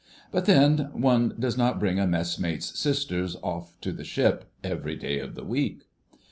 But then one does not bring a messmate's sisters off to the ship every day of the week.